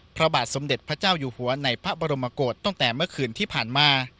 พระบาทสมเด็จพระเจ้าอยู่หัวในพระบรมกฏตั้งแต่เมื่อคืนที่ผ่านมา